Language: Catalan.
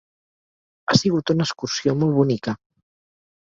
Ha sigut una excursió molt bonica.